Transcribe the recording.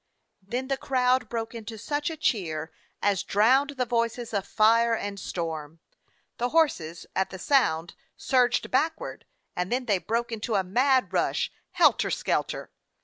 Then the crowd broke into such a cheer as drowned the voices of fire and storm. The horses at the sound surged backward, and then they broke into a mad rush, helter skelter.